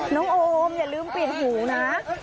น้องโอมอย่าลืมเปลี่ยนหูนะ